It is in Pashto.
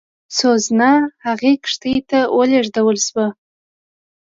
سوزانا هغې کښتۍ ته ولېږدول شوه.